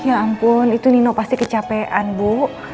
ya ampun itu nino pasti kecapean bu